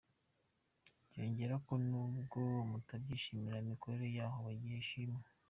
Yongeraho ko n’ubwo batabyishimira imikorere y’aho bagiye ishimwa.